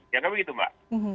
ya kan begitu mbak